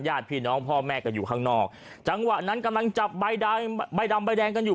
ญาติพี่น้องพ่อแม่ก็อยู่ข้างนอกจังหวะนั้นกำลังจับใบดำใบแดงกันอยู่